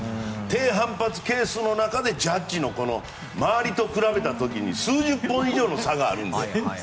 低反発係数の中でジャッジの周りと比べた時に数十本以上の差があるので。